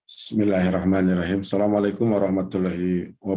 bismillahirrahmanirrahim assalamualaikum warahmatullahi wabarakatuh